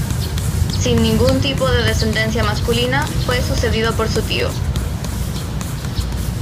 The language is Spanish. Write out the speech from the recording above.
Sin ningún tipo de descendencia masculina, fue sucedido por su tío.